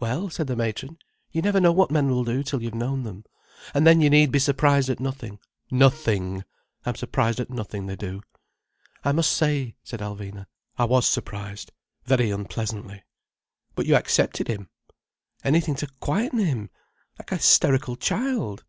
"Well," said the matron. "You never know what men will do till you've known them. And then you need be surprised at nothing, nothing. I'm surprised at nothing they do—" "I must say," said Alvina, "I was surprised. Very unpleasantly." "But you accepted him—" "Anything to quieten him—like a hysterical child."